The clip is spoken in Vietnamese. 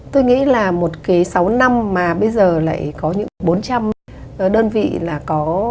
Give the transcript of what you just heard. tôi nghĩ là một cái sáu năm mà bây giờ lại có những bốn trăm linh đơn vị là có